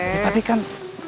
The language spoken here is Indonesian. ya tapi kan